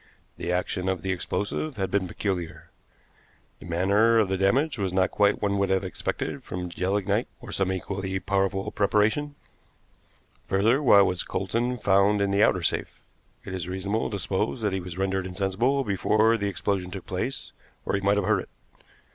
The action of the explosive had been peculiar. The manner of the damage was not quite what one would have expected from gelignite, or some equally powerful preparation. Further, why was Coulsdon found in the outer safe? It is reasonable to suppose that he was rendered insensible before the explosion took place, or he might have heard it.